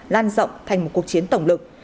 lan rộng thành một cuộc chiến tổng lực